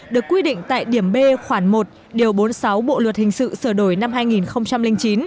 được quy định tại điểm b khoảng một điều bốn mươi sáu bộ luật hình sự sửa đổi năm hai nghìn chín